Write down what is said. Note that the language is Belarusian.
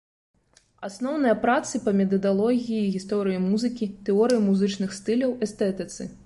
Асноўныя працы па метадалогіі гісторыі музыкі, тэорыі музычных стыляў, эстэтыцы.